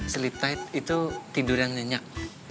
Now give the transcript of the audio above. sleep tight itu tidur yang nyenyak